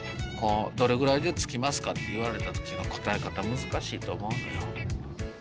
「どれくらいで着きますか？」って言われた時の答え方難しいと思うのよ。